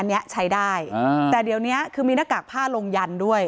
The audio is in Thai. อันนี้ใช้ได้อ่าแต่เดี๋ยวนี้คือมีหน้ากากผ้าลงยันด้วย